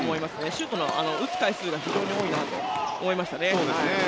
シュートの打つ回数が非常に多いなと思いましたね。